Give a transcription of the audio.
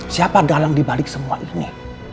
siapa dalang dibalik semua ini